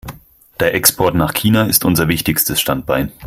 Der Export nach China ist unser wichtigstes Standbein.